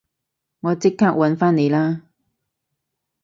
我即刻搵返你啦